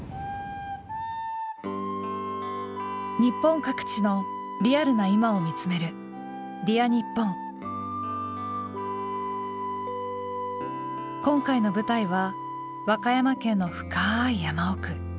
日本各地のリアルな今を見つめる今回の舞台は和歌山県の深い山奥。